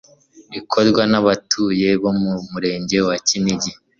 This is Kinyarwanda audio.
ikorwa n'abatuye bo mu murenge wa Kinigi.